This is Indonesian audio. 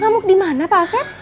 ngamuk di mana pak asep